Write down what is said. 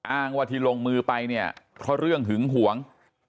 อ้างว่าที่ลงมือไปเนี่ยเพราะเรื่องหึงหวง